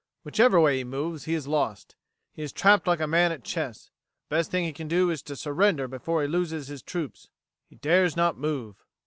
Whichever way he moves, he is lost. He is trapped like a man at chess. The best thing he can do is to surrender before he loses his troops. He dares not move."